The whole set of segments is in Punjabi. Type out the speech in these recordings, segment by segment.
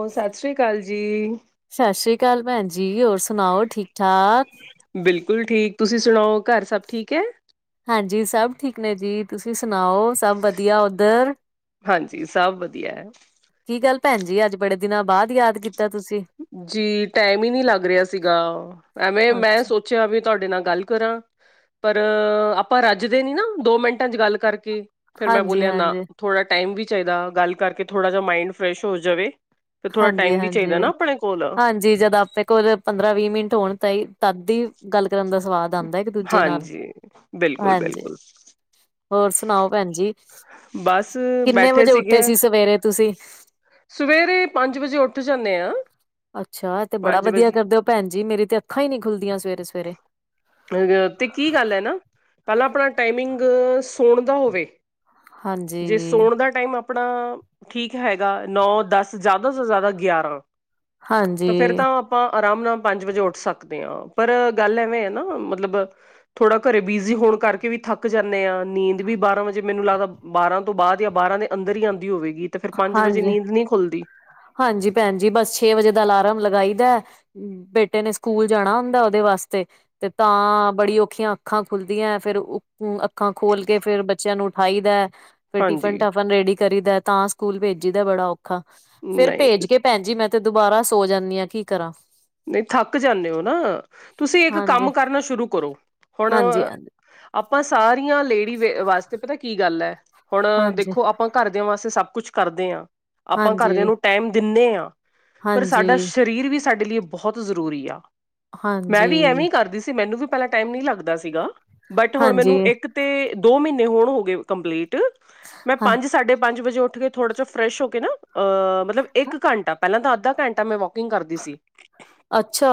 ਉਹ ਸਤਿ ਸ੍ਰੀ ਅਕਾਲ ਜੀ ਸਤਿ ਸ੍ਰੀ ਅਕਾਲ ਭੈਣ ਜੀ ਹੋਰ ਸੁਣਾਓ ਠੀਕ ਠਾਕ। ਬਿਲਕੁਲ ਠੀਕ ਤੁਸੀਂ ਸੁਣਾਓ ਘਰ ਸਭ ਠੀਕ ਹੈ। ਹਾਂਜੀ ਸਭ ਠੀਕ ਨੇ ਜੀ ਤੁਸੀਂ ਸੁਣਾਓ? ਸਭ ਵਧੀਆ ਉਧਰ ਹਾਂਜੀ ਸਭ ਵਧੀਆ ਹੈ ਕੀ ਗੱਲ ਭੈਣ ਜੀ ਅੱਜ ਬੜੇ ਦਿਨਾਂ ਬਾਅਦ ਯਾਦ ਕੀਤਾ ਤੁਸੀਂ। ਜੀ ਟਾਈਮ ਹੀ ਨਹੀਂ ਲੱਗ ਰਿਹਾ ਸੀਗਾ ਐਵੇਂ ਮੈਂ ਸੋ ਅੱਛਾ ਸੋਚਿਆ ਵੀ ਤੁਹਾਡੇ ਨਾਲ ਗੱਲ ਕਰਾਂ, ਪਰ ਆਪਾਂ ਰੱਜਦੇ ਨੀ ਨਾ ਦੋ ਮਿੰਟਾਂ ਚ ਗੱਲ ਕਰਕੇ। ਫਿਰ ਮੈਂ ਹਾਂਜੀ ਬੋਲਿਆ ਨਾ ਹਾਂਜੀ। ਥੋੜ੍ਹਾ ਟਾਈਮ ਵੀ ਚਾਹੀਦਾ ਗੱਲ ਕਰਕੇ ਥੋੜ੍ਹਾ ਜਹਾ ਮਾਇੰਡ ਫਰੈਸ਼ ਹੋ ਜਾਵੇ। ਤੇ ਥੋੜ੍ਹਾ ਟਾਈਮ ਵੀ ਚਾਹੀਦਾ ਨਾ ਆਪਣੇ ਕੋਲ। ਜੀ ਜਦ ਆਪਣੇ ਕੋਲ ਪੰਦਰਾਂ ਵੀਹ ਮਿੰਟ ਹੋਣ ਤਾਹੀ ਤਦ ਹੀ ਗੱਲ ਕਰਨ ਦਾ ਸਵਾਦ ਆਉਂਦਾ ਇੱਕ ਦੂਜੇ ਨਾਲ ਹਾਂਜੀ ਬਿਲਕੁਲ ਹਾਂਜੀ। ਬਿਲਕੁਲ ਹੋਰ ਸੁਣਾਓ ਭੈਣ ਜੀ, ਬਸ ਕਿੰਨੇ ਬੈਠੇ ਵਜੇ ਉੱਠੇ ਸੀਗੇ ਸੀ ਸਵੇਰੇ ਤੁਸੀਂ? ਸਵੇਰੇ ਪੰਜ ਵਜੇ ਉੱਠ ਜਾਂਦੇ ਆ ਅੱਛਾ ਤੇ ਬੜਾ ਪੰਜ ਵਧੀਆ ਵਜੇ ਕਰਦੇ ਹੋ ਭੈਣ ਜੀ ਮੇਰੀ ਤੇ ਅੱਖਾਂ ਹੀ ਨਹੀਂ ਖੁੱਲਦੀਆਂ ਸਵੇਰੇ ਸਵੇਰੇ। ਤੇ ਕੀ ਗੱਲ ਹੈ ਨਾ ਪਹਿਲਾਂ ਆਪਣਾ ਟਾਈਮਿੰਗ ਸੌਣ ਦਾ ਹੋਵੇ। ਜੇ ਹਾਂਜੀ। ਸੌਣ ਦਾ ਟਾਈਮ ਆਪਾਂ ਆਪਣਾ ਠੀਕ ਹੈਗਾ ਨੌ ਦਸ ਜ਼ਿਆਦਾ ਤੋਂ ਜ਼ਿਆਦਾ ਗਿਆਰਾਂ। ਤੇ ਫੇਰ ਹਾਂਜੀ, ਤਾਂ ਆਪਾਂ ਆਰਾਮ ਨਾਲ ਪੰਜ ਵਜੇ ਉੱਠ ਸਕਦੇ ਹਾਂ ਪਰ ਗੱਲ ਐਵੇਂ ਆ ਨਾ ਮਤਲਬ ਥੋੜਾ ਘਰੇ ਬਿਜੀ ਹੋਣ ਕਰਕੇ ਵੀ ਥੱਕ ਜਾਂਦੇ ਆਾਂ ਨੀਂਦ ਵੀ ਬਾਰਾਂ ਵਜੇ ਮੈਨੂੰ ਲੱਗਦਾ ਬਾਰਾਂ ਤੋਂ ਬਾਅਦ ਜਾਂ ਬਾਰਾਂ ਦੇ ਅੰਦਰ ਹੀ ਆਉਂਦੀ ਹੋਵੇਗੀ ਤੇ ਫੇਿਰ ਪੰਜ ਵਜੇ ਹਾਂਜੀ। ਨੀਂਦ ਨਹੀਂ ਖੁੱਲਦੀ ਹਾਂਜੀ ਭੈਣ ਜੀ ਬਸ ਛੇ ਵਜੇ ਦਾ ਅਲਾਰਮ ਲਗਾਈ ਦਾ ਬੇਟੇ ਨੇ ਸਕੂਲ ਜਾਣਾ ਹੁੰਦਾ ਉਹਦੇ ਵਾਸਤੇ ਤੇ ਤਾਂ ਬੜੀ ਔਖੀਆਂ ਅੱਖਾਂ ਖੁੱਲਦੀਆਂ ਫੇਰ ਅੱਖਾਂ ਖੋਲ ਕੇ ਫੇਰ ਬੱਚਿਆਂ ਨੂੰ ਉਠਾਇਦਾ ਫੇਰ ਟਿਫਨ ਹਾਂਜੀ ਟਫਨ ਰੈਡੀ ਕਰੀ ਦਾ ਤਾਂ ਸਕੂਲ ਭੇਜੀ ਦਾ ਬੜਾ ਔਖਾ ਫੇਰ ਨਹੀਂ ਭੇਜ ਕੇ ਭੈਣ ਜੀ ਮੈਂ ਤੇ ਦੁਬਾਰਾ ਸੋ ਜਾਂਦੀ ਹਾਂ ਕੀ ਕਰਾਂ ਨਹੀਂ ਥੱਕ ਜਾਂਦੇ ਹੋ ਨਾ ਤੁਸੀਂ ਇੱਕ ਹਾਂਜੀ ਕੰਮ ਕਰਨਾ ਸ਼ੁਰੂ ਕਰੋ ਹੁਣ ਹਾਂਜੀ ਆਪਾਂ ਸਾਰੀਆਂ ਲੇਡੀ ਵ ਵਾਸਤੇ ਪਤਾ ਕੀ ਗੱਲ ਹੈ ਹੁਣ ਹਾਂਜੀ ਦੇਖੋ ਆਪਾਂ ਘਰਦਿਆਂ ਵਾਸਤੇ ਸਭ ਕੁਛ ਕਰਦੇ ਹਾਂ ਆਪਾਂ ਘਰਦਿਆਂ ਹਾਂਜੀ ਨੂੰ ਟਾਈਮ ਦਿੰਦੇ ਹਾਂ। ਪਰ ਸਾਡਾ ਹਾਂਜੀ ਸਰੀਰ ਵੀ ਸਾਡੇ ਲਈ ਬਹੁਤ ਜ਼ਰੂਰੀ ਆ। ਮੈਂ ਵੀ ਐਵੇਂ ਹਾਂਜੀ ਕਰਦੀ ਸੀ ਮੈਨੂੰ ਵੀ ਪਹਿਲਾਂ ਟਾਈਮ ਨਹੀਂ ਲੱਗਦਾ ਸੀਗਾ ਬਟ ਹੁਣ ਮੈਨੂੰ ਹਾਂਜੀ ਇੱਕ ਤੇ ਦੋ ਮਹੀਨੇ ਹੋਣ ਹੋ ਗਏ ਕੰਪਲੀਟ, ਮੈਂ ਹਾਂ ਪੰਜ- ਸਾਢੇ ਪੰਜ ਵਜੇ ਉੱਠ ਕੇ ਥੋੜਾ ਜਿਹਾ ਫਰੈਸ਼ ਹੋ ਕੇ ਨਾ ਅ ਮਤਲਬ ਇੱਕ ਘੰਟਾ ਪਹਿਲਾਂ ਤਾਂ ਅੱਧਾ ਘੰਟਾ ਮੈਂ ਵਾਕਿੰਗ ਕਰਦੀ ਸੀ ਅੱਛਾ।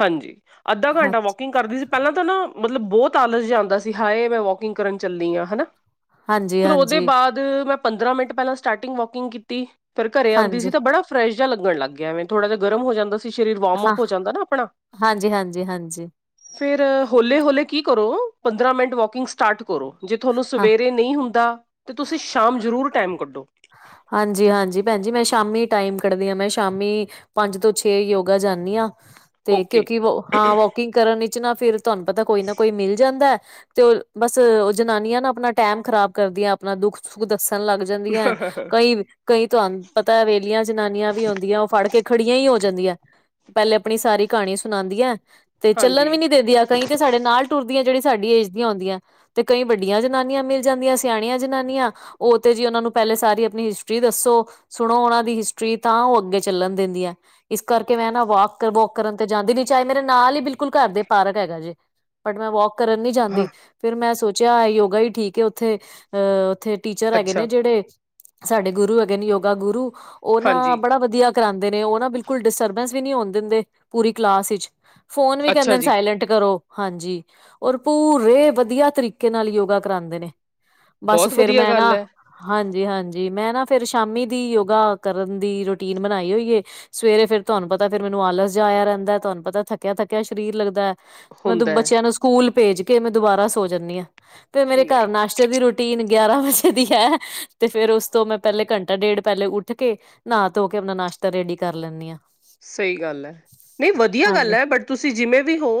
ਹਾਂਜੀ, ਅੱਧਾ ਹਾਂ ਘੰਟਾ ਵਾਕਿੰਗ ਕਰਦੀ ਸੀ। ਪਹਿਲਾਂ ਤਾਂ ਨਾ ਮਤਲਬ ਬਹੁਤ ਆਲਸ ਜਿਆ ਆਂਦਾ ਸੀ ਹਾਏ ਮੈਂ ਵੋਕਿੰਗ ਕਰਨ ਚੱਲੀ ਹਾਂ ਹਨਾ। ਹਾਂਜੀ ਫਿਰ ਉਹਦੇ ਹਾਂਜੀ ਬਾਅਦ ਮੈਂ ਪੰਦਰਾਂ ਮਿੰਟ ਪਹਿਲਾਂ ਸਟਾਰਟਿੰਗ ਵੋਕਿੰਗ ਕੀਤੀ, ਫੇਿਰ ਘਰੇ ਆਉਂਦੀ ਹਾਂਜੀ ਸੀ ਤਾਂ ਬੜਾ ਫਰੈਸ਼ ਜਿਆ ਲੱਗਣ ਲੱਗ ਗਿਆ ਵੇ ਥੋੜਾ ਜਹਾ ਗਰਮ ਹੋ ਜਾਂਦ ਸਰੀਰ ਹਾਂ ਵਾਰਮਅਪ ਹੋ ਜਾਂਦੇ ਨਾ ਅਪਣਾ। ਹਾਂਜੀ ਹਾਂਜੀ ਹਾਂਜੀ ਫਿਰ ਹੌਲੇ-ਹੌਲੇ ਕੀ ਕਰੋ? ਪੰਦਰਾਂ ਮਿੰਟ ਵੋਕਿੰਗ ਸਟਾਰਟ ਕਰੋ। ਜੇ ਤੁਹਾਨੂੰ ਹਾਂ ਸਵੇਰੇ ਨਹੀਂ ਹੁੰਦਾ ਤਾਂ ਤੁਸੀਂ ਸ਼ਾਮ ਜ਼ਰੂਰ ਟਾਈਮ ਕੱਢੋ। ਹਾਂਜੀ-ਹਾਂਜੀ, ਭੈਣਜੀ ਮੈਂ ਸ਼ਾਮੀ ਟਾਈਮ ਕੱਢਦੀ ਆਂ ਮੈਂ ਸ਼ਾਮੀ ਪੰਜ ਤੋਂ ਛੇ ਯੋਗਾ ਜਾਂਨੀ ਆਂ। ਤੇ ਓਕੇ ਕਿਉਂਕਿ ਵੋ ਹਾਂ ਵੋਕਿੰਗ ਕਰਨ ਵਿੱਚ ਨਾ ਫਿਰ ਤੁਹਾਨੂੰ ਪਤਾ ਕੋਈ ਨਾ ਕੋਈ ਮਿਲ ਜਾਂਦਾ ਆ। ਤੇ ਉਹ ਬਸ ਉਹ ਜਨਾਨੀਆਂ ਨਾ ਆਪਣਾ ਟੈਮ ਖ਼ਰਾਬ ਕਰਦੀਆਂ ਆਪਣਾ ਦੁੱਖ- ਸੁੱਖ ਦੱਸਣ ਲੱਗ ਜਾਂਦੀਐਂ ਕਈ ਕਈ ਤੁਹਾਨੂੰ ਪਤਾ ਵੇਲੀਆਂ ਜਨਾਨੀਆਂ ਵੀ ਹੁੰਦੀਐਂ ਉਹ ਫੜ ਕੇ ਖੜੀਆਂ ਹੀ ਹੋ ਜਾਂਦੀਐਂ। ਪੈਲੇ ਅਪਣੀ ਸਾਰੀ ਕਹਾਣੀ ਸੁਣਾਂਦੀਆਂ ਏ, ਤੇ ਚੱਲਣ ਹਾਂਜੀ ਵੀ ਨੀ ਦੇਦੀਆ ਕਈ ਤੇ ਸਾਡੇ ਨਾਲ ਟੁਰਦੀਆਂ ਜਿਹੜੀ ਸਾਡੀ ਏਜ ਦੀਆਂ ਹੂੰਦੀਆਂ, ਤੇ ਕਈ ਵੱਡੀਆਂ ਜਨਾਨੀਆਂ ਮਿਲ ਜਾਂਦੀਆਂ, ਸਿਆਣੀਆਂ ਜਨਾਨੀਆਂ, ਓ ਤੇ ਜੀ ਓਨਾਂ ਨੂੰ ਪਹਿਲੇ ਸਾਰੀ ਅਪਨੀ ਹਿਸਟਰੀ ਦੱਸੋ। ਸੁਣੋ ਉਹਨਾਂ ਦੀ ਹਿਸਟਰੀ ਤਾਂ ਉਹ ਅੱਗੇ ਚੱਲਣ ਦਿੰਦੀਆ ਹੈ। ਇਸ ਕਰਕੇ ਮੈਂ ਨਾ ਵੋਕ ਵੋਕ ਕਰਨ ਤੇ ਜਾਂਦੀ ਨੀ ਚਾਹੇ ਮੇਰੇ ਨਾਲ ਹੀ ਬਿਲਕੁਲ ਘਰ ਦੇ ਪਾਰਕ ਹੈਗਾ ਜੇ ਬਟ ਮੈਂ ਵੋਕ ਕਰਨ ਨੀ ਹਾਂ ਜਾਂਦੀ ਫਿਰ ਮੈਂ ਸੋਚਿਆ ਯੋਗਾ ਈ ਠੀਕ ਏ, ਓਥੇ ਅਹ ਓਥੇ ਟੀਚਰ ਹੈਗੇ ਨੇ ਅੱਛਾ ਜੇੜੇ ਸਾਡੇ ਗੁਰੂ ਹੈਗੇ ਨ ਯੋਗਾ ਗੁਰੂ ਓ ਨਾ ਹਾਂਜੀ ਬੜਾ ਵਧੀਆ ਕਰਾਉਂਦੇ ਨੇ ਉਹ ਨਾ ਬਿਲਕੁਲ ਡਿਸਟਰਬੈਂਸ ਵੀ ਨੀ ਹੋਣ ਦਿੰਦੇ ਪੂਰੀ ਕਲਾਸ ਵਿੱਚ ਫੋਨ ਵੀ ਅੱਛਾ ਕਹਿੰਦੇ ਨ ਜੀ ਸਾਇਲੈਂਟ ਕਰੋ। ਹਾਂਜੀ ਔਰ ਪੂਰੇ ਵਧੀਆ ਤਰੀਕੇ ਨਾਲ ਯੋਗਾ ਕਰਾਉਂਦੇ ਨੇ ਬਸ ਬਹੁਤ ਫੇਰ ਵਧੀਆ ਮੈਂ ਗੱਲ ਨਾ ਹੈ ਹਾਂਜੀ-ਹਾਂਜੀ ਮੈਂ ਨਾ ਫੇਰ ਸ਼ਾਮੀ ਦੀ ਯੋਗਾ ਕਰਨ ਦੀ ਰੂਟੀਨ ਬਨਾਈ ਹੋਈ ਏ। ਸਵੇਰੇ ਫਿਰ ਤੁਹਾਨੂੰ ਪਤਾ ਫਿਰ ਮੈਨੂੰ ਆਲਸ ਜਾਇਆ ਰਹਿੰਦਾ ਹੈ ਤੁਹਾਨੂੰ ਪਤਾ ਥੱਕਿਆ ਥੱਕਿਆ ਸਰੀਰ ਲੱਗਦਾ ਹੈ। ਮੈਂ ਤਾਂ ਹੁੰਦਾ ਹੈ ਬੱਚਿਆਂ ਨੂੰ ਸਕੂਲ ਭੇਜ ਕੇ ਮੈਂ ਦੁਬਾਰਾ ਸੋ ਜਾਂਦੀ ਆਂ ਤੇ ਮੇਰੇ ਨਹੀਂ ਘਰ ਨਾਸ਼ਤੇ ਦੀ ਰੋਟੀ ਰੁਟੀਨ ਗਿਆਰਾਂ ਵਜੇ ਦੀ ਹੈ ਤੇ ਫੇਰ ਓਸ ਤੋਂ ਮੈਂ ਪਹਿਲੇ ਘੰਟਾ ਡੇਢ ਪਹਿਲੇ ਉੱਠ ਕੇ ਨਹਾ ਧੋ ਕੇ ਅਪਨਾ ਨਾਸ਼ਤਾ ਰੇਡੀ ਕਰ ਲੈਂਨੀ ਆਂ। ਸਈ ਗੱਲ ਐ। ਨਈ ਵਧੀਆ ਗੱਲ ਹਾਂਜੀ ਐ ਬਟ ਤੁਸੀਂ ਜਿਵੇਂ ਵੀ ਹੋ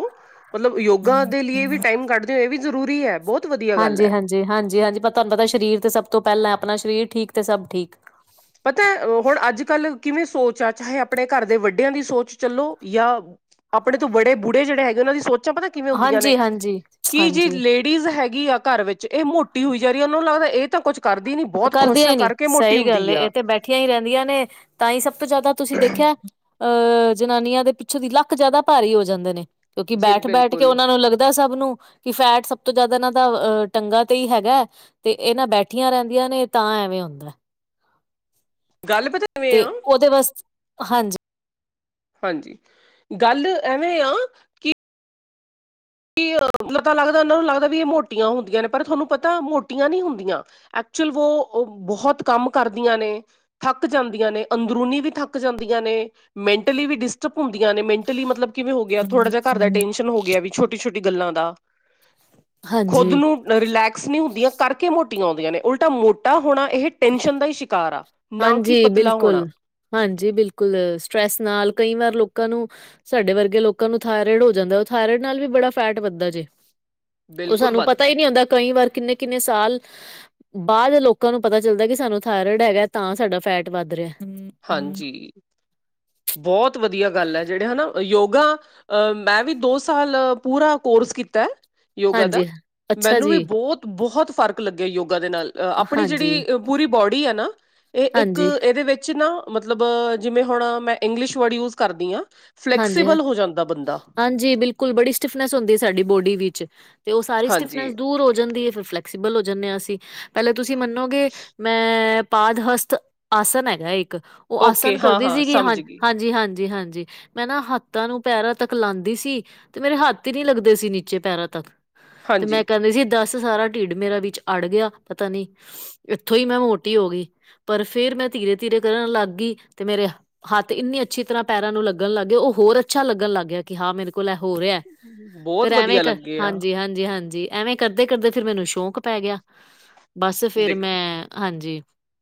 ਮਤਲਬ ਯੋਗਾ ਹਮ ਦੇ ਲਿਏ ਵੀ ਹਮ ਟਾਈਮ ਕੱਢ ਇਹ ਵੀ ਜ਼ਰੂਰੀ ਹੈ ਬੋਤ ਹਾਂਜੀ, ਹਾਂਜੀ, ਹਾਂਜੀ, ਹਾਂਜੀ ਬਸ ਤੁਹਾਨੂੰ ਪਤਾ ਸਰੀਰ ਤੇ ਸਭ ਤੋਂ ਪਹਿਲਾਂ ਅਪਨਾ ਸਰੀਰ ਠੀਕ ਤੇ ਸਭ ਠੀਕ। ਪਤਾ ਹੁਣ ਅੱਜ ਕੱਲ ਕਿਵੇਂ ਸੋਚ ਆ ਚਾਹੇ ਆਪਣੇ ਘਰ ਦੇ ਵੱਡਿਆਂ ਦੀ ਸੋਚ ਚੱਲੋ ਜਾਂ ਆਪਣੇ ਤੋਂ ਬੜੇ ਬੁਢੇ ਜੇੜੇ ਹੈਗੇ ਓਨਾਂ ਦੀ ਸੋਚਾਂ ਪਤਾ ਕਿਵੇਂ ਹੁੰਦੀਆਂ ਨੇ ਹਾਂਜੀ ਹਾਂਜੀ ਕੀ ਜੀ ਹਾਂਜੀ ਲੇਡੀਜ਼ ਲੇਡੀਜ ਹੈਗੀ ਆ ਘਰ ਵਿੱਚ ਇਹ ਮੋਟੀ ਹੋਈ ਜਾ ਰਹੀ, ਓਨਾਂ ਨੂੰ ਲੱਗਦਾ ਐ ਤਾਂ ਕੁੱਛ ਕਰਦੀ ਨੀ ਬਹੁਤ ਖੁਸ਼ ਕਰਦੀਆਂ ਆ ਹੀ ਨੀ ਕਰਕੇ ਮੋਟੀ ਸਹੀ ਗੱਲ ਹੁੰਦੀ ਇਹ ਆ ਤੇ ਬੈਠੀਆਂ ਹੀ ਰਹਿੰਦੀਆਂ ਨੇ ਤਾਂ ਹੀ ਸਭ ਤੋਂ ਜ਼ਿਆਦਾ ਤੁਸੀਂ ਦੇਖਿਆ ਅ ਜਨਾਨੀਆਂ ਦੇ ਪਿੱਛੋਂ ਦੀ ਲੱਕ ਜਾਦਾ ਭਾਰੀ ਹੋ ਜਾਂਦੇ ਨੇ। ਕਿਉਂਕਿ ਜੀ ਬੈਠ-ਬੈਠ ਕੇ ਬਿਲਕੁਲ ਓਨਾਂ ਨੂੰ ਲੱਗਦਾ ਸਭ ਨੂੰ ਕਿ ਫੈਟ ਸਭ ਤੋਂ ਜਿਆਦਾ ਇਨਾਂ ਦਾ ਅ ਟੰਗਾ ਤੇ ਹੀ ਹੈਗਾ ਤੇ ਏ ਨਾਂ ਬੈਠੀਆਂ ਰੈਨ। ਦਿਆਂ ਨੇ ਤਾਂ ਐਵੇਂ ਹੁੰਦਾ ਐ। ਗੱਲ ਪਤਾ ਕਿਵੇਂ ਤੇ ਆ ਉਹਦੇ ਵਾਸਤੇ ਹਾਂਜੀ ਹਾਂਜੀ, ਗੱਲ ਐਵੇਂ ਆ ਕਿਹ ਪਤਾ ਲੱਗਦਾ ਉਹਨਾਂ ਨੂੰ ਲੱਗਦਾ ਵੀ ਇਹ ਮੋਟੀਆਂ ਹੁੰਦੀਆਂ ਨੇ ਪਰ ਤੁਹਾਨੂੰ ਪਤਾ ਮੋਟੀਆਂ ਨਹੀਂ ਹੁੰਦੀਆਂ ਐਕਚੁਅਲ ਵੋ ਬਹੁਤ ਕੰਮ ਕਰਦੀਆਂ ਨੇ ਥੱਕ ਜਾਂਦੀਆਂ ਨੇ ਅੰਦਰੂਨੀ ਵੀ ਥੱਕ ਜਾਂਦੀਆਂ ਨੇ ਮੈਂਟਲੀ ਵੀ ਡਿਸਟਰਬ ਹੁੰਦੀਆਂ ਨੇ ਮੈਂਟਲੀ ਮਤਲਬ ਕਿਵੇਂ ਹੋ ਗਿਆ ਥੋੜਾ ਜਹਾ ਘਰ ਦਾ ਹੂੰ-ਹੂੰ। ਟੈਂਨਸ਼ਨ ਹੋ ਗਿਆ ਵੀ ਛੋਟੀ ਛੋਟੀ ਗੱਲਾਂ ਦਾ ਖੁਦ ਹਾਂਜੀ ਨੂੰ ਰਿਲੈਕਸ ਨਹੀਂ ਹੁੰਦੀਆਂ ਕਰਕੇ ਮੋਟੀਆਂ ਹੁੰਦੀਆਂ ਨੇ ਉਲਟਾ ਮੋਟਾ ਹੋਣਾ ਇਹ ਟੈਨਸ਼ਨ ਦਾ ਹੀ ਸ਼ਿਕਾਰ ਆ ਨਾ ਕਿ ਹਾਂਜੀ ਪਤਲਾ ਹੋਣਾ ਬਿਲਕੁਲ ਹਾਂਜੀ ਬਿਲਕੁਲ ਸਟਰ੍ਰੈਸ ਨਾਲ ਕਈ ਵਾਰ ਲੋਕਾਂ ਨੂੰ ਸਾਡੇ ਵਰਗੇ ਲੋਕਾਂ ਨੂੰ ਥਾਇਰੋਇਡ ਹੋ ਜਾਂਦਾ ਥਾਇਰੋਇਡ ਨਾਲ ਵੀ ਬੜਾ ਫੈਟ ਵੱਧਦਾ ਜੇ ਉਹ ਬਿਲਕੁਲ ਸਾਨੂੰ ਵੱਧ ਪਤਾ ਹੈ ਹੀ ਨਹੀ ਆਉਂਦਾ ਕਈ ਵਾਰ ਕਿੰਨੇ ਕਿੰਨੇ ਸਾਲ ਬਾਅਦ ਲੋਕਾਂ ਨੂੰ ਪਤਾ ਚੱਲਦਾ ਕੀ ਸਾਨੂੰ ਥਾਇਰੋਇਡ ਹੈਗਾ ਤਾਂ ਸਾਡਾ ਫੈਟ ਵੱਧ ਰਿਹਾ ਹੂੰ। ਹਾਂਜੀ ਬਹੁਤ ਵਧੀਆ ਗੱਲ ਹੈ ਜਿਹੜੇ ਹਨਾ ਯੋਗਾ ਅ ਮੈਂ ਵੀ ਦੋ ਸਾਲ ਪੂਰਾ ਕੋਰਸ ਕੀਤਾ ਯੋਗਾ ਦਾ ਹਾਂਜੀ, ਅੱਛਾ ਮੈਨੂੰ ਵੀ ਜੀ, ਬਹੁਤ ਬਹੁਤ ਫ਼ਰਕ ਲੱਗਿਆ ਯੋਗਾ ਦੇ ਨਾਲ ਆਪਣੀ ਹਾਂਜੀ, ਜਿਹੜੀ ਪੂਰੀ ਬੋਡੀ ਆ ਨਾ ਇਹ ਇੱਕ ਹਾਂਜੀ, ਇਹਦੇ ਵਿੱਚ ਨਾ ਮਤਲਬ ਜਿਵੇਂ ਹੁਣ ਮੈਂ ਇੰਗਲਿਸ਼ ਵਰਡ ਯੂਜ ਕਰਦੀ ਹਾਂ ਹਾਂਜੀ, ਹਾਂ, ਫਲੈਕਸੀਬਲ ਹੋ ਜਾਂਦਾ ਬੰਦਾ ਹਾਂਜੀ ਬਿਲਕੁਲ ਬੜੀ ਸਟਿਫਨੈਸ ਹੁੰਦੀ ਹੈ ਸਾਡੀ ਬੋਡੀ ਵਿੱਚ ਤੇ ਉਹ ਸਾਰੀ ਸਟਿਫਨੈਸ ਹਾਂਜੀ ਦੂਰ ਹੋ ਜਾਂਦੀ ਹੈ ਫਿਰ ਫਲੈਕ ਸਬਲੋਂ ਜਾਂਦੇ ਹਾਂ ਅਸੀਂ ਪਹਿਲੇ ਤੁਸੀਂ ਮੰਨੋਗੇ ਮੈਂ ਪਾਦ ਹਸਤ ਆਸਨ ਹੈਗਾ ਇੱਕ ਉਹ ਓਕੇ ਆਸਨ ਹਾਂ ਕਰਦੀ ਸੀਗੀ ਹਾਂ ਸਮਝ ਗਈ ਹਾਂਜੀ ਹਾਂਜੀ ਹਾਂਜੀ ਮੈਂ ਨਾ ਹੱਥਾਂ ਨੂੰ ਪੈਰਾਂ ਤੱਕ ਲਾਉਂਦੀ ਸੀ ਤੇ ਮੇਰੇ ਹੱਥ ਹੀ ਨੀ ਲੱਗਦੇ ਸੀ ਨੀਚੇ ਪੈਰਾਂ ਤੱਕ ਤੇ ਮੈਂ ਹਾਂਜੀ ਕਹਿੰਦੀ ਸੀ ਦਸ ਸਾਰਾ ਢਿੱਡ ਮੇਰਾ ਵਿੱਚ ਅੜ ਗਿਆ ਪਤਾ ਨਹੀਂੀ ਇੱਥੋਂ ਹੀ ਮੈਂ ਮੋਟੀ ਹੋ ਗਈ ਪਰ ਫੇਰ ਮੈਂ ਧੀਰੇ ਧੀਰੇ ਕਰਨ ਲੱਗ ਗਈ ਤੇ ਮੇਰੇ ਹੱਥ ਇੰਨੀ ਅੱਛੀ ਤਰ੍ਹਾਂ ਪੈਰਾਂ ਨੂੰ ਲੱਗੀ ਲ ਲੱਗ ਗਿਆ ਉਹ ਹੋਰ ਅੱਛਾ ਲੱਗਣ ਲੱਗ ਗਿਆ ਕਿ ਹਾਂ ਮੇਰੇ ਕੋਲ ਹੋ ਰਿਹਾ ਫਿਰ ਬਹੁਤ ਐਵੇਂ ਵਧੀਆ ਕ ਲੱਗੇ ਆ ਹਾਂਜੀ ਹਾਂਜੀ ਹਾਂਜੀ ਐਵੇਂ ਕਰਦੇ ਕਰਦੇ ਫਿਰ ਮੈਨੂੰ ਸ਼ੌਂਕ ਪੈ ਗਿਆ ਬਸ ਫੇਰ ਦੇਖੋ ਮੈਂ ਹਾਂਜੀ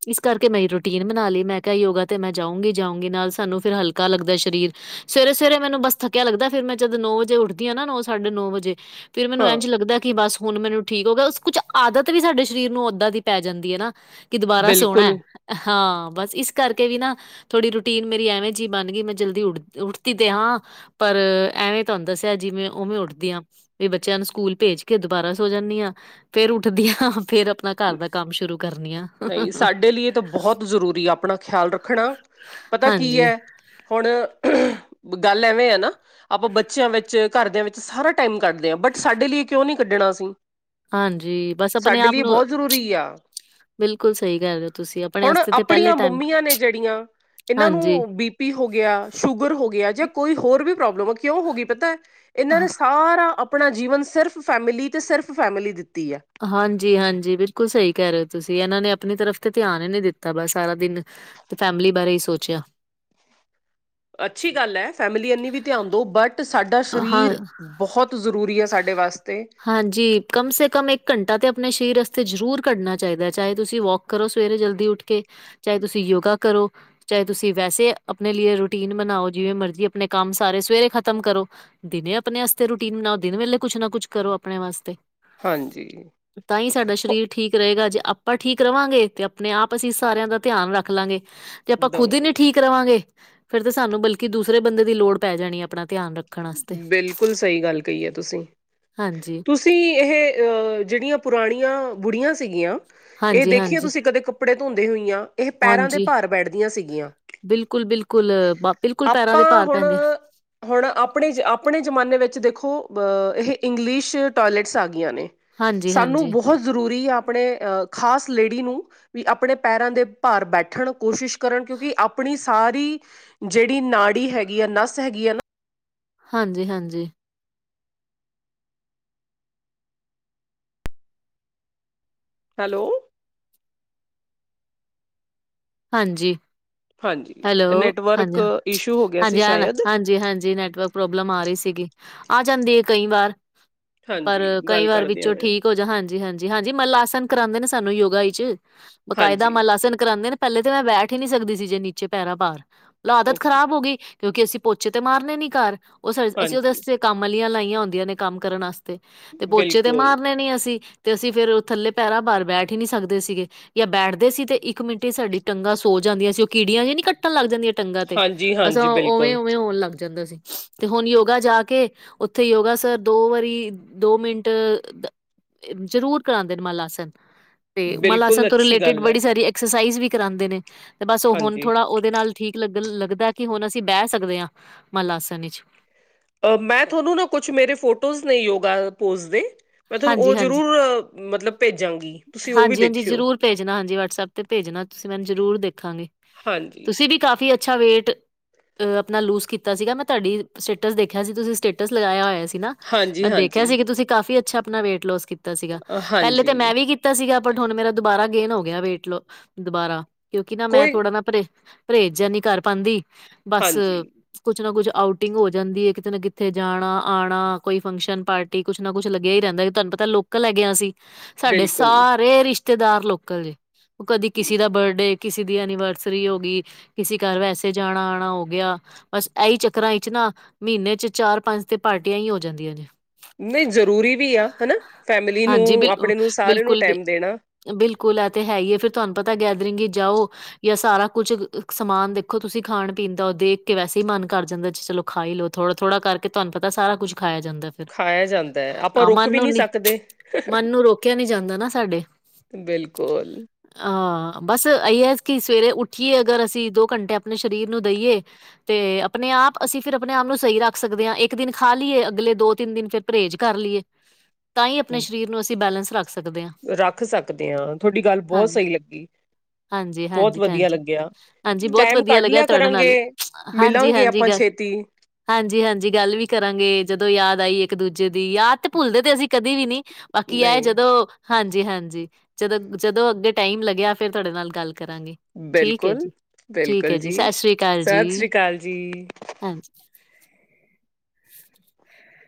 ਇਸ ਕਰਕੇ ਮੈਂ ਰੂਟੀਨ ਬਣਾ ਲਈ ਮੈਂ ਕਿਹਾ ਯੋਗਾ ਤੇ ਮੈਂ ਜਾਊਂਗੀ ਜਾਊਂਗੀ ਨਾਲ ਸਾਨੂੰ ਫਿਰ ਹਲਕਾ ਲੱਗਦਾ ਸਰੀਰ ਸਵੇਰੇ ਸਵੇਰੇ ਮੈਨੂੰ ਬੱਸ ਥੱਕਿਆ ਲੱਗਦਾ ਫਿਰ ਮੈਂ ਜਦ ਨੌ ਵਜੇ ਉੱਠਦੀ ਆ ਨਾ ਨੌ ਸਾਡੇ ਨੌ ਵਜੇ ਫਿਰ ਮੈਨੂੰ ਹਾਂ ਇੰਝ ਲੱਗਦਾ ਬਸ ਹੁਣ ਮੈਨੂੰ ਠੀਕ ਹੋ ਗਿਆ ਕੁਛ ਆਦਤ ਵੀ ਸਾਡੇ ਸਰੀਰ ਨੂੰ ਓਦਾਂ ਦੀ ਪੈ ਜਾਂਦੀ ਹੈ ਨਾ ਕਿ ਦੁਬਾਰਾ ਸੋਨਾ ਬਿਲਕੁਲ ਹਾਂ ਬਸ ਇਸ ਕਰਕੇ ਵੀ ਨਾ ਥੋੜ੍ਹੀ ਰੂਟੀਨ ਮੇਰੀ ਐਵੇਂ ਜਿਹੀ ਬਣ ਗਈ ਮੈਂ ਜਲਦੀ ਉੱਡ ਉੱਠਦੀ ਤੇ ਹਾਂ ਪਰ ਐਵੇਂ ਤੁਹਾਨੂੰ ਦੱਸਿਆ ਜਿਵੇਂ ਉਵੇਂ ਉੱਠਦੀ ਆ ਵੀ ਬੱਚਿਆਂ ਨੂੰ ਸਕੂਲ ਭੇਜ ਕੇ ਦੁਬਾਰਾ ਸੋ ਜਾਂਦੀ ਹਾਂ ਫੇਰ ਉੱਠਦੀਆਂ ਫੇਰ ਆਪਣਾ ਘਰ ਦਾ ਕੰਮ ਸ਼ੁਰੂ ਕਰਨੀ ਆ ਨਹੀਂ ਸਾਡੇ ਲਈ ਬਹੁਤ ਜ਼ਰੂਰੀ ਆਪਣਾ ਖਿਆਲ ਰੱਖਣਾ ਪਤਾ ਕੀ ਹਾਂਜੀ ਐ ਹੁਣ ਗੱਲ ਐਵੇਂ ਆ ਨਾ ਆਪਾਂ ਬੱਚਿਆਂ ਵਿੱਚ ਘਰਦਿਆਂ ਵਿੱਚ ਸਾਰਾ ਟਾਈਮ ਕੱਢਦੇ ਹਾਂ ਬਟ ਸਾਡੇ ਲਈ ਕਿਉਂ ਨੀ ਕੱਢਣਾ ਅਸੀਂ ਹਾਂਜੀ ਬਸ ਆਪਣੇ ਸਾਡੇ ਆਪ ਲਈ ਨੂੰ ਬਹੁਤ ਜ਼ਰੂਰੀ ਆ ਬਿਲਕੁਲ ਸਹੀ ਕਹਿ ਰਹੇ ਹੋ ਤੁਸੀਂ ਆਪਣੇ ਹੁਣ ਵਾਸਤੇ ਤੇ ਪਹਿਲੇ ਆਪਣੀਆਂ ਟਾਈਮ ਮੰਮੀਆਂ ਨੇ ਜਿਹੜੀਆਂ ਇਹਨਾਂ ਹਾਂਜੀ ਨੂੰ ਬੀ ਪੀ ਹੋ ਗਿਆ ਸ਼ੂਗਰ ਹੋ ਗਿਆ ਜਾਂ ਕੋਈ ਹੋਰ ਵੀ ਪ੍ਰੋਬਲਮ ਆ ਕਿਉਂ ਹੋ ਗਈ ਪਤਾ ਇਹਨਾਂ ਨੇ ਸਾਰਾ ਆਪਣਾ ਜੀਵਨ ਸਿਰਫ ਫੈਮਿਲੀ ਤੇ ਸਿਰਫ ਫੈਮਿਲੀ ਦਿੱਤੀ ਹੈ ਹਾਂਜੀ ਹਾਂਜੀ ਬਿਲਕੁਲ ਸਹੀ ਕਹਿ ਰਹੇ ਹੋ ਤੁਸੀਂ ਇਹਨਾਂ ਨੇ ਆਪਣੀ ਤਰਫ ਤੇ ਧਿਆਨ ਹੀ ਨਹੀਂੀ ਦਿੱਤਾ ਬ ਸਾਰਾ ਦਿਨ ਤੇ ਫੈਮਿਲੀ ਬਾਰੇ ਹੀ ਸੋਚਿਆ ਅੱਛੀ ਗੱਲ ਹੈ ਫੈਮਿਲੀ ਇਨੀ ਵੀ ਧਿਆਨ ਦੋ ਬਟ ਸਾਡਾ ਹਾਂ ਸਰੀਰ ਬਹੁਤ ਜ਼ਰੂਰੀ ਆ ਸਾਡੇ ਵਾਸਤੇ ਹਾਂਜੀ ਕਮ ਸੇ ਕਮ ਇੱਕ ਘੰਟਾ ਤਾਂ ਆਪਣੇ ਸਰੀਰਸਤੇ ਜ਼ਰੂਰ ਘੱਢਣਾ ਚਾਹੀਦਾ ਚਾਹੇ ਤੁਸੀਂ ਵੋਕ ਕਰੋ ਸਵੇਰੇ ਜਲਦੀ ਉੱਠ ਕੇ ਚਾਹੇ ਤੁਸੀਂ ਯੋਗਾ ਕਰੋ ਚਾਹੇ ਤੁਸੀਂ ਵੈਸੇ ਆਪਣੇ ਲਈ ਰੂਟੀਨ ਬਣਾਓ ਜਿਵੇਂ ਮਰਜੀੀ ਆਪਣੇ ਕੰਮ ਸਾਰੇ ਸਵੇਰੇ ਖ਼ਤਮ ਕਰੋ ਦਿਨੇ ਆਪਣੇ ਵਸਤੇ ਰੂਟੀਨ ਬਣਾਓ ਦਿਨ ਵੇਲੇ ਕੁਛ ਨਾ ਕੁਛ ਕਰੋ ਆਪਣੇ ਵਾਸਤੇ ਹਾਂਜੀ ਤਾਂ ਹੀ ਸਾਡਾ ਹੋ ਸਰੀਰ ਠੀਕ ਰਹੇਗਾ ਜੇ ਆਪਾਂ ਠੀਕ ਰਹਾਂਗੇ ਤੇ ਆਪਣੇ ਆਪ ਅਸੀਂ ਸਾਰਿਆਂ ਦਾ ਧਿਆਨ ਰੱਖ ਲਾਂਗੇ ਜੇ ਆਪਾਂ ਖੁਦ ਹੀ ਨੀ ਦੇਵਾਂਗੇ ਠੀਕ ਰਹਾਂਗੇ ਫੇਿਰ ਤਾਂ ਸਾਨੂੰ ਬਲਕਿ ਦੂਸਰੇ ਬੰਦੇ ਦੀ ਲੋੜ ਪੈ ਜਾਣੀ ਆਪਣਾ ਧਿਆਨ ਰੱਖ ਬਿਲਕੁਲ ਸਹੀ ਗੱਲ ਕਹੀ ਹੈ ਤੁਸੀਂ ਹਾਂਜੀ ਤੁਸੀਂ ਇਹ ਜਿਹੜੀਆਂ ਪੁਰਾਣੀਆਂ ਬੁੜੀਆਂ ਸੀਗੀਆਂ ਇਹ ਹਾਂਜੀ ਦੇਖੀਆਂ ਹਾਂਜੀ ਤੁਸੀਂ ਕਦੇ ਕੱਪੜੇ ਧੋਂਦੇ ਹੋਈਆਂ ਇਹ ਪੈਰਾਂ ਦੇ ਹਾਂਜੀ ਭਾਰ ਬੈਠਦੀਆਂ ਸੀਗੀਆਂ ਬਿਲਕੁਲ ਬਿਲਕੁਲ ਬਿਲਕੁਲ ਪੈਰਾਂ ਦੇ ਆਪਾਂ ਭਾਰ ਹੁਣ ਪੈਂਦੇ ਆ ਹੁਣ ਆਪਣੇ ਜ ਆਪਣੇ ਜ਼ਮਾਨੇ ਵਿੱਚ ਦੇਖੋ ਇਹ ਇੰਗਲਿਸ਼ ਟੋਇਲਟਸ ਆ ਗਈਆਂ ਨੇ ਹਾਂਜੀ ਸਾਨੂੰ ਹਾਂਜੀ ਬਹੁਤ ਜ਼ਰੂਰੀ ਆ ਆਪਣੇ ਅਹ ਖਾਸ ਲੇਡੀ ਨੂੰ ਵੀ ਆਪਣੇ ਪੈਰਾਂ ਦੇ ਭਾਰ ਬੈਠਣ ਕੋਸ਼ਿਸ਼ ਕਰਨ ਕਿਉਂਕਿ ਆਪਣੀ ਸਾਰੀ ਜਿਹੜੀ ਨਾੜੀ ਹੈਗੀ ਆ ਨੱਸ ਹੈਗੀ ਆ ਨਾ ਹਾਂਜੀ ਹਾਂਜੀ ਹੈਲੋ ਹਾਂਜੀ ਹਾਂਜੀ ਹੈਲੋ ਹਾਂਜੀ ਨੈਟਵਰਕ ਇਸ਼ੂ ਹੋ ਗਿਆ ਸੀ ਹਾਂਜੀ ਹ ਨਾ ਸ਼ਾਇਦ ਹਾਂਜੀ ਹਾਂਜੀ ਨੈਟਵਰਕ ਪ੍ਰੋਬਲਮ ਆ ਰਹੀ ਸੀਗੀ ਆ ਜਾਂਦੀ ਹੈ ਕਈ ਵਾਰ ਪਰ ਹਾਂਜੀ ਕਈ ਗੱਲ ਵਾਰ ਕਰਦਿਆਂ ਵਿੱਚੋਂ ਮੈਂ ਠੀਕ ਹੋ ਜਾ ਹਾਂਜੀ ਹਾਂਜੀ ਜੀ ਹਾਂਜੀ ਮੱਲ ਆਸਨ ਕਰਾਉਂਦੇ ਨੇ ਸਾਨੂੰ ਯੋਗਾ ਚ ਬਕਾਇਦਾ ਹਾਂਜੀ ਮਾਲ ਆਸਨ ਕਰਾਉਂਦੇ ਨੇ ਪਹਿਲੇ ਤੇ ਮੈਂ ਬੈਠ ਹੀ ਨੀ ਸਕਦੀ ਸੀ ਜੇ ਨੀਚੇ ਪੈਰਾਂ ਭਾਰ ਆਦਤ ਓਕੇ ਖ਼ਰਾਬ ਹੋ ਗਈ ਕਿਉਂਕਿ ਅਸੀਂ ਪੋਚੇ ਤੇ ਮਾਰਨੇ ਨਹੀਂ ਘਰ ਉਹ ਅਸੀਂ ਹਾਂਜੀ ਉਹਦੇਸਤੇ ਕੰਮਲੀਆਂ ਲਾਈਆਂ ਹੁੰਦੀਆਂ ਨੇ ਕੰਮ ਕਰਨ ਵਾਸਤੇ ਤੇ ਪੋਚੇ ਤੇ ਬਿਲਕੁਲ ਮਾਰਨੇ ਨਹੀਂ ਅਸੀ ਤੇ ਅਸੀਂ ਫਿਰ ਉਹ ਥੱਲੇ ਪਹਿਰਾਂ ਭਾਰ ਬੈਠ ਹੀ ਨਹੀਂ ਸਕਦੇ ਸੀਗੇ ਜਾਂ ਬੈਠਦੇ ਸੀ ਤੇ ਇੱਕ ਮਿੰਟ ਸਾਡੀ ਟੰਗਾਂ ਸੋ ਜਾਂਦੀਆਂ ਸੀ ਉਹ ਕੀੜੀਆਂ ਨੀ ਕੱਟਣ ਲੱਗ ਜਾਂਦੀਆਂ ਟੰਗਾਂ ਤੇ ਹਾਂਜੀ ਬਸ ਹਾਂਜੀ ਬਿਲਕੁਲ ਉਵੇਂ-ਉਵੇਂ ਹੋਣ ਲੱਗ। ਜਾਂਦਾ ਸੀ ਤੇ ਹੁਣ ਯੋਗਾ ਜਾ ਕੇ। ਉੱਥੇ ਯੋਗਾਸ ਦੋ ਵਾਰੀ ਦੋ ਮਿੰਟ ਜਰੂਰ ਕਰਾਂਦੇ ਨੇ ਮਲ ਆਸਨ ਤੇ ਮਲ ਬਿਲਕੁਲ ਆਸਨ ਤੋਂ ਅੱਛੀ ਰਿਲੇਟਿਡ ਗੱਲ ਹੈ ਬੜੀ ਸਾਰੀ ਐਕਸਸਾਈਜ਼ ਵੀ ਕਰਾਉਂਦੇ ਨੇ ਤੇ ਬਸ ਉਹ ਹੁਣ ਹਾਂਜੀ ਥੋੜਾ ਉਹਦੇ ਨਾਲ ਠੀਕ ਲੱਗਣ ਲੱਗਦਾ ਕਿ ਹੁਣ ਅਸੀਂ ਬਹਿ ਸਕਦੇ ਹਾਂ ਮਲ ਆਸਣ ਵਿੱਚ ਅ ਮੈਂ ਤੁਹਾਨੂੰ ਨਾ ਕੁਛ ਮੇਰੇ ਫੋਟੋਜ਼ ਨੇ ਯੋਗਾ ਪੋਜ਼ ਦੇ ਮੈਂ ਤੁਹਾਨੂੰ ਉਹ ਜਰੂਰ ਮਤਲਬ ਭੇਜਾਂਗੀ ਤੁਸੀਂ ਉਹ ਵੀ ਹਾਂਜੀ-ਹਾਂਜੀ ਦੇਖਿਓ ਜਰੂਰ ਭੇਜਣਾ ਹਾਂਜੀ ਵਟਸਐਪ ਤੇ ਭੇਜਣਾ ਤੁਸੀਂ ਮੈਨੂੰ ਜਰੂਰ ਦੇਖਾਂਗੇ ਹਾਂਜੀ ਤੁਸੀਂ ਵੀ ਕਾਫੀ ਅੱਛਾ ਵੇਟ। ਅ ਆਪਣਾ ਲੂਜ਼ ਕੀਤਾ ਸੀਗਾ ਮੈਂ ਤੁਹਾਡੀ ਸਟੇਟਸ ਦੇਖਿਆ ਸੀ ਤੁਸੀਂ ਸਟੇਟਸ ਲਗਾਇਆ ਹੋਇਆ ਸੀ ਨਾ ਹਾਂਜੀ ਮੈਂ ਦੇਖਿਆ ਹਾਂਜੀ ਸੀ ਕਿ ਤੁਸੀਂ ਕਾਫ਼ੀ ਅੱਛਾ ਆਪਣਾ ਵੇਟ ਲੋਸ ਕੀਤਾ ਸੀਗਾ ਪਹਿਲੇ ਤਾਂ ਹਾਂਜੀ ਮੈਂ ਵੀ ਕੀਤਾ ਸੀਗਾ ਬਟ ਹੁਣ ਮੇਰਾ ਦੁਬਾਰਾ ਗੇਨ ਹੋ ਗਿਆ ਵੇਟ ਦੁਬਾਰਾ, ਕਿਉਂਕਿ ਨਾ ਮੈਂ ਕੋਈ ਥੋੜਾ ਨਾ ਪਰਹੇਜ ਪਰਹੇਜ਼ ਜਿਹਾ ਨਹੀ ਕਰ ਪਾਉਂਦੀ ਬਸ ਹਾਂਜੀ ਕੁਛ ਨਾ ਕੁਛ ਆਊਟਿੰਗ ਹੋ ਜਾਂਦੀ ਹੈ ਕਿਤੇ ਨਾ ਕਿਤੇ ਜਾਣਾ, ਆਉਣਾ ਕੋਈ ਫੰਕਸ਼ਨ ਪਾਰਟੀ ਕੁੱਛ ਨਾ ਕੁੱਛ ਲੱਗਿਆ ਹੀ ਰਹਿੰਦਾ ਤੁਹਾਨੂੰ ਪਤਾ ਲੋਕਲ ਹੈਗੇ ਅਸੀਂ, ਸਾਡੇ ਬਿਲਕੁਲ ਸਾਰੇ ਰਿਸ਼ਤੇਦਾਰ ਲੋਕਲ ਜੇ ਉਹ ਕਦੀ ਕਿਸੇ ਦਾ ਬਰਡੇ ਕਿਸੇ ਦੀ ਐਨੀਵਰਸਰੀ ਹੋ ਗਈ ਕਿਸੇ ਘਰ ਵੈਸੇ ਜਾਣਾ ਆਉਣਾ ਹੋ ਗਿਆ ਬਸ ਇਹੀ ਚੱਕਰਾਂ ਵਿਚ ਨਾ ਮਹੀਨੇ ਚ ਚਾਰ ਪੰਜ ਤੇ ਪਾਰਟੀਆਂ ਹੀ ਹੋ ਜਾਂਦੀਆਂ ਨੇ ਨਹੀਂ ਜ਼ਰੂਰੀ ਵੀ ਆ ਹਨਾ, ਫੈਮਿਲੀ ਹਾਂਜੀ ਨੂੰ, ਬਿਲ ਆਪਣੇ ਨੂੰ, ਸਾਰੇ ਨੂੰ ਬਿਲਕੁਲ ਬਿਲ ਟਾਈਮ ਦੇਣਾ ਬਿਲਕੁਲ ਆ ਤੇ ਹੈ ਹੀ ਏ ਫੇਰ ਤੁਹਾਨੂੰ ਪਤਾ ਗੈਦਰਿੰਗ ਹੀ ਜਾਓ ਜਾਂ ਸਾਰਾ ਕੁੱਝ ਸਮਾਨ ਦੇਖੋ ਤੁਸੀਂ ਖਾਣ ਪੀਣ ਦਾ ਦੇਖ ਕੇ ਵੈਸੇ ਹੀ ਮਨ ਕਰ ਜਾਂਦਾ ਜੀ ਚਲੋ ਖਾਈ ਲਓ ਥੋੜਾ -ਥੋੜਾ ਕਰਕੇ ਤੁਹਾਨੂੰ ਪਤਾ ਸਾਰਾ ਕੁੱਝ ਖਾਇਆ ਜਾਂਦਾ ਫਿਰ ਖਾਇਆ ਜਾਂਦਾ ਹੈ ਆਪਾਂ ਆਹ, ਰੁਕ ਵੀ ਮੰਨੋ ਨਹੀਂ ਨੀ ਸਕਦੇ ਮਨ ਨੂੰ ਰੋਕਿਆ ਨਹੀਂ ਜਾਂਦਾ ਨਾ ਸਾਡੇ ਬਿਲਕੁਲ ਹਾਂ ਬਸ ਇਹੀ ਹੈ ਕਿ ਸਵੇਰੇ ਉੱਠੀਏ ਅਗਰ ਅਸੀਂ ਦੋ ਘੰਟੇ ਆਪਣੇ ਸਰੀਰ ਨੂੰ ਦੇਈਏ ਤੇ ਆਪਣੇ ਆਪ ਅਸੀਂ ਫਿਰ ਆਪਣੇ ਆਪ ਨੂੰ ਸਹੀ ਰੱਖ ਸਕਦੇ ਹਾਂ ਇੱਕ ਦਿਨ ਖਾ ਲਈਏ ਅਗਲੇ ਦੋ -ਤਿੰਨ ਦਿਨ ਫਿਰ ਪਰਹੇਜ਼ ਕਰ ਲਈਏ, ਤਾਂ ਹੀ ਆਪਣੇ ਸਰੀਰ ਨੂੰ ਅਸੀਂ ਬੈਲੈਂਸ ਰੱਖ ਸਕਦੇ ਹਾਂ। ਰੱਖ ਸਕਦੇ ਹਾਂ ਤੁਹਾਡੀ ਗੱਲ ਹਾਂ ਬਹੁਤ ਸਹੀ ਲੱਗੀ। ਹਾਂਜੀ, ਬਹੁਤ ਹਾਂਜੀ ਭੈਣ ਵਧੀਆ ਜੀ। ਲੱਗਿਆ, ਹਾਂਜੀ, ਬਹੁਤ ਟਾਈਮ ਵਧੀਆ ਕੱਢ ਲੱਗਿਆ ਲਿਆ ਤੁਹਾਡੇ ਕਰਾਂਗੇ, ਨਾਲ ਹਾਂਜੀ, ਮਿਲਾਂਗੇ ਹਾਂਜੀ ਆਪਾਂ ਗ ਛੇਤੀ ਤੇ ਹਾਂਜੀ, ਹਾਂਜੀ ਗੱਲ ਵੀ ਕਰਾਂਗੇ ਜਦੋਂ ਯਾਦ ਆਈ ਇੱਕ ਦੂਜੇ ਦੀ, ਯਾਦ ਤੇ ਭੁੱਲਦੇ ਤੇ ਅਸੀਂ ਕਦੇ ਵੀ ਨੀ ਬਾਕੀ ਆਏ ਨਹੀਂ ਜਦੋਂ ਹਾਂਜੀ, ਹਾਂਜੀ ਜਦੋਂ -ਜਦੋਂ ਅੱਗੇ ਟਾਈਮ ਲੱਗਿਆ ਫਿਰ ਤੁਹਾਡੇ ਨਾਲ ਗੱਲ ਕਰਾਂਗੇ। ਠੀਕ ਹੈ ਬਿਲਕੁਲ ਜੀ, ਠੀਕ ਹੈ ਬਿਲਕੁਲ ਜੀ ਸਤਿ ਸ੍ਰੀ ਅਕਾਲ ਜੀ ਸਤਿ ਸ੍ਰੀ ਅਕਾਲ ਜੀ ਹਾਂਜੀ।